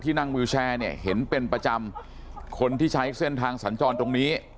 นั่งวิวแชร์เนี่ยเห็นเป็นประจำคนที่ใช้เส้นทางสัญจรตรงนี้